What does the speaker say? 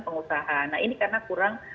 pengusaha nah ini karena kurang